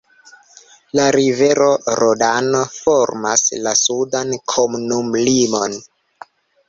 La rivero Rodano formas la sudan komunumlimon.